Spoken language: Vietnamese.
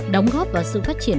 đóng góp vào sự phát triển